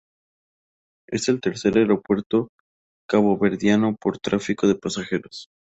Es el tercer aeropuerto caboverdiano por tráfico de pasajeros.